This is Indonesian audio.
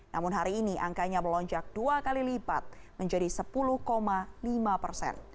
namun hari ini angkanya melonjak dua kali lipat menjadi sepuluh lima persen